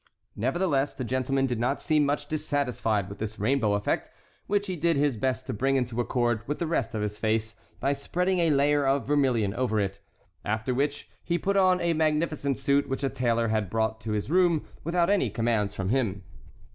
Nevertheless, the gentleman did not seem much dissatisfied with this rainbow effect which he did his best to bring into accord with the rest of his face by spreading a layer of vermilion over it, after which he put on a magnificent suit which a tailor had brought to his room without any commands from him.